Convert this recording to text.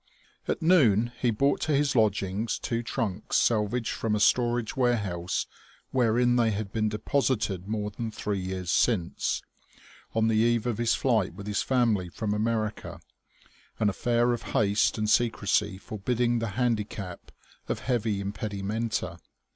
At noon he brought to his lodgings two trunks salvaged from a storage warehouse wherein they had been deposited more than three years since, on the eve of his flight with his family from America, an affair of haste and secrecy forbidding the handicap of heavy impedimenta.